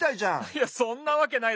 いやそんなわけないだろ。